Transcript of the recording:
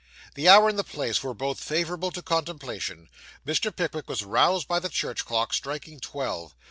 The hour and the place were both favourable to contemplation; Mr. Pickwick was roused by the church clock striking twelve.